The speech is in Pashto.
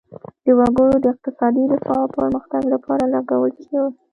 د وګړو د اقتصادي رفاه او پرمختګ لپاره لګول شي.